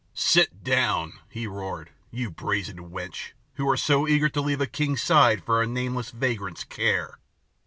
"Sit down," he roared, "you brazen wench, who are so eager to leave a king's side for a nameless vagrant's care!